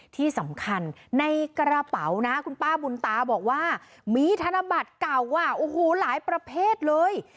ที่สำคัญในกระเป๋านะคุณป้าบุญตาบอกว่ามีธนบัตรเก่าโอ้โหหลายประเภทเลย